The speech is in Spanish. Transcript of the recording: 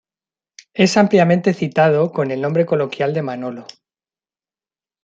Es ampliamente citado con el nombre coloquial de Manolo.